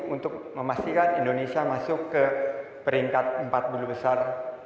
untuk memastikan indonesia masuk ke peringkat empat puluh besar